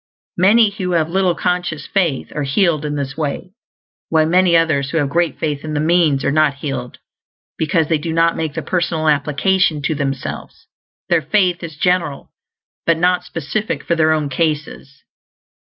Many who have little conscious faith are healed in this way; while many others who have great faith in the means are not healed because they do not make the personal application to themselves; their faith is general, but not specific for their own cases.